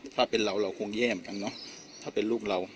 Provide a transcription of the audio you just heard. ถ้าเป็นเราเราคงเยี่ยมจังเนอะถ้าเป็นลูกเรา